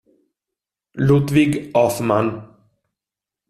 Ludwig Hoffmann